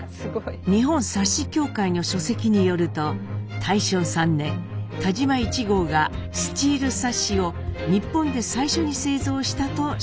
日本サッシ協会の書籍によると大正３年田嶋壹号がスチールサッシを日本で最初に製造したと紹介されています。